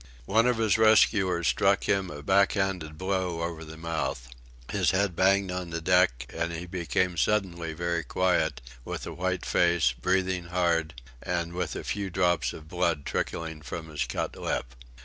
One of his rescuers struck him a back handed blow over the mouth; his head banged on the deck, and he became suddenly very quiet, with a white face, breathing hard, and with a few drops of blood trickling from his cut lip.